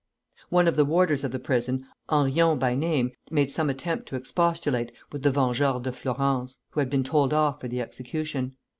One of the warders of the prison, Henrion by name, made some attempt to expostulate with the Vengeurs de Flourens, who had been told off for the execution.